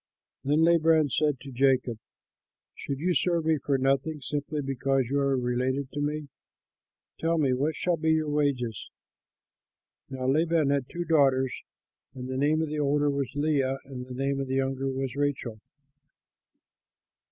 Then Laban said to Jacob, "Should you serve me for nothing simply because you are related to me? Tell me what shall be your wages?" Now Laban had two daughters: the name of the older was Leah, and the name of the younger was Rachel.